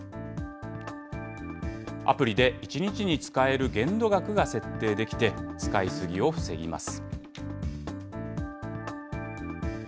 アプリで１日に使える限度額が設定できて、使い過ぎを防ぎます。